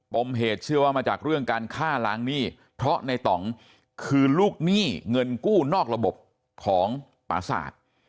มเหตุเชื่อว่ามาจากเรื่องการฆ่าล้างหนี้เพราะในต่องคือลูกหนี้เงินกู้นอกระบบของปราศาสตร์